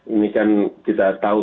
ini kan kita tahu